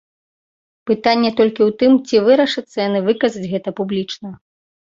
Пытанне толькі ў тым, ці вырашацца яны выказаць гэта публічна.